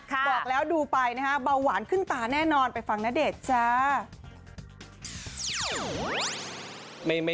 บอกแล้วดูไปนะฮะเบาหวานขึ้นตาแน่นอนไปฟังณเดชน์จ้า